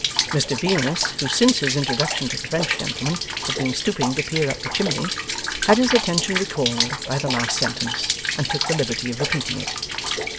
Mr Venus, who since his introduction to the French gentleman, had been stooping to peer up the chimney, had his attention recalled by the last sentence, and took the liberty of repeating it.